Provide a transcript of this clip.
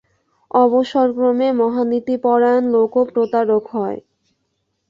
অবসরক্রমে মহানীতিপরায়ণ লোকও প্রতারক হয়।